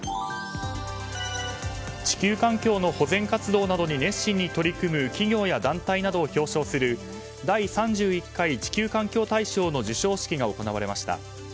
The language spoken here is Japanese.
地球環境の保全活動などに熱心に取り組む企業や団体などを表彰する第３１回地球環境大賞の授賞式が行われました。